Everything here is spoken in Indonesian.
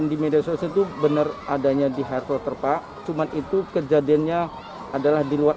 di media sosial itu benar adanya di hairpok terpak cuman itu kejadiannya adalah diluar